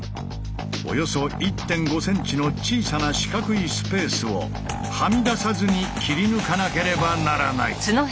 およそ１．５ｃｍの小さな四角いスペースをはみ出さずに切り抜かなければならない。